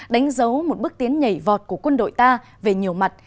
đánh dấu một bước tiến nhảy vọt của quân đội ta về nhiều mặt